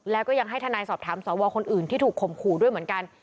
แล้วก็ยังให้ทนายสอบถามสวคนอื่นที่ถูกข่มขู่ด้วยเหมือนกัน